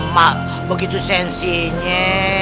mak begitu sensinya